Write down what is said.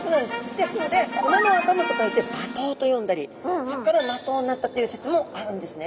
ですので馬の頭と書いて馬頭と呼んだりそっからマトウになったっていう説もあるんですね。